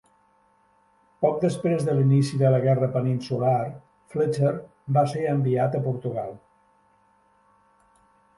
Poc després de l"inici de la Guerra Peninsular, Fletcher va ser enviat a Portugal.